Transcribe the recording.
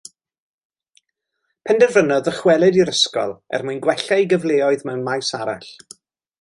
Penderfynodd ddychwelyd i'r ysgol er mwyn gwella ei gyfleoedd mewn maes arall.